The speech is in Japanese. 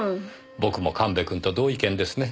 僕も神戸くんと同意見ですね。